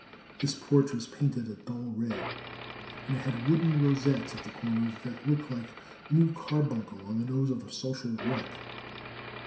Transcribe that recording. This porch was painted a dull red, and it had wooden rosettes at the corners that looked like a new carbuncle on the nose of a social wreck.